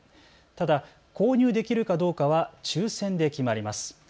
ただ購入できるかどうかは抽せんで決まります。